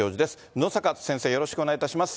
野阪先生、よろしくお願いいたします。